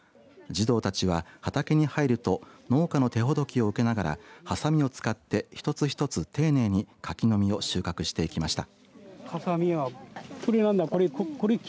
児童たちは畑に入ると農家の手ほどきを受けながらはさみを使って一つ一つ丁寧に柿の実を収穫していきました。